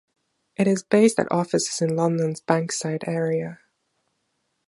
It is based at offices in London's Bankside area.